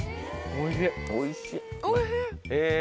おいしい。